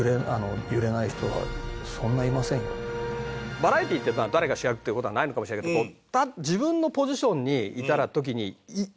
バラエティってさ誰が主役っていう事はないのかもしれないけど自分のポジションにいた時に揺れちゃいけない。